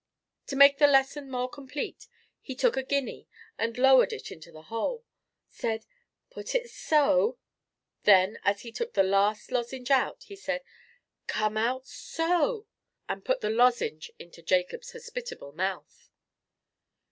To make the lesson more complete, he took a guinea, and lowering it into the hole, said, "Put in so." Then, as he took the last lozenge out, he said, "Come out so," and put the lozenge into Jacob's hospitable mouth.